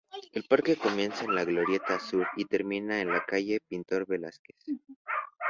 El parque comienza en la Glorieta Sur y termina en la Calle Pintor Velázquez.